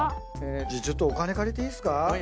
じゃあちょっとお金借りていいっすか？